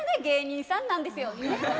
芸人さんなんですよね。